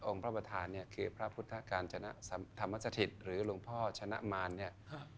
พระประธานเนี่ยคือพระพุทธกาญจนธรรมสถิตหรือหลวงพ่อชนะมารเนี่ย